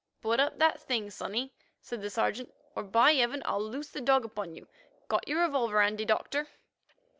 "Put up that thing, sonny," said the Sergeant, "or by heaven, I'll loose the dog upon you. Got your revolver handy, Doctor?"